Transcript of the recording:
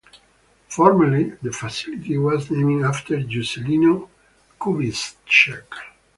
Formerly the facility was named after Juscelino Kubitschek.